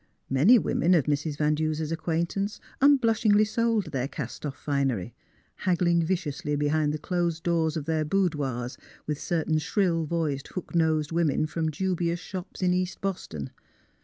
Many women of Mrs, Van Duser 's acquaintance unblushingly sold their cast otf finery, haggling viciously behind the closed doors of their boudoirs with certain shrill voiced, hook nosed women from dubious shops in East Boston.